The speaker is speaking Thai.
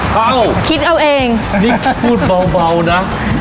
พี่พูดเบาเบานะ